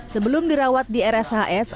sebelum dirawat di rshs